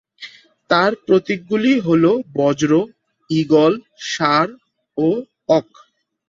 তাঁর প্রতীকগুলি হল বজ্র, ঈগল, ষাঁড় ও ওক।